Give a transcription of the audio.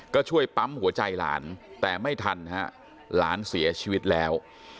ก็ช่วยปั๊มหัวใจหลานแต่ไม่ทันฮะหลานเสียชีวิตแล้ว